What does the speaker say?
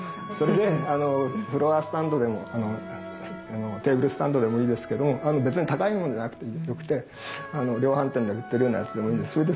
それでフロアスタンドでもテーブルスタンドでもいいですけども別に高いものじゃなくてもよくて量販店で売ってるようなやつでもいいんです。